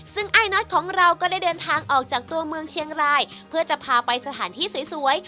ซึ่งไอ้น็อตของเราก็ได้เดินทางออกจากตัวเมืองเชียงรายเพื่อจะพาไปสถานที่สวย